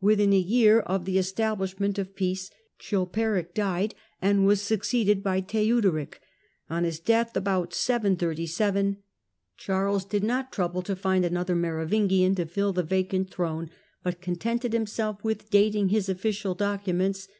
Within a year of the establishment of peace Chilperic lied and was succeeded by Theuderich. On his death, bout 737, Charles did not trouble to find another Merovingian to fill the vacant throne, but contented limself with dating his official documents " The